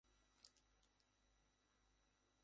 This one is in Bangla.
একদম আগের মতো হয়ছে।